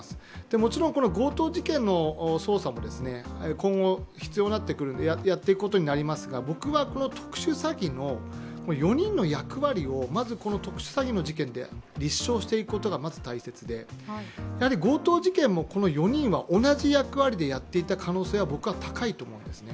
もちろん強盗事件の捜査も今後、やっていくことになりますが僕は特殊詐欺の４人の役割を、特殊詐欺の事件で立証していくことが大切で、強盗事件もこの４人は同じ役割でやっていた可能性は高いと思うんですね。